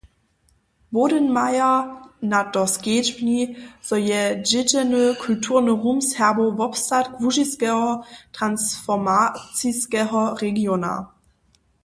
Bodenmeier na to skedźbni, zo je zdźědźeny kulturny rum Serbow wobstatk łužiskeho transformaciskeho regiona.